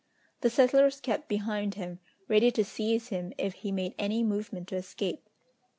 The settlers kept behind him, ready to seize him if he made any movement to escape!